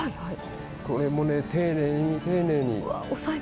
これも丁寧に、丁寧に。